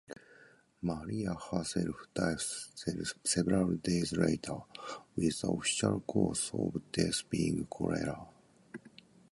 Maria herself died several days later, with the official cause of death being cholera.